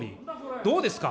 どうですか。